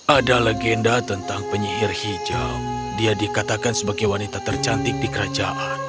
ada legenda tentang penyihir hijau dia dikatakan sebagai wanita tercantik di kerajaan